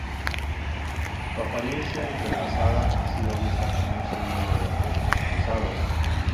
Su apariencia entrelazada ha sido vista como un símbolo de afectos cruzados.